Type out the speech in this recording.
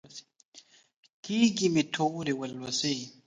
کېږې مې ټولې ولوسلې.